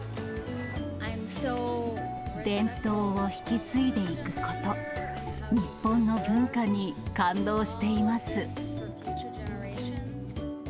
伝統を引き継いでいくこと、日本の文化に感動しています。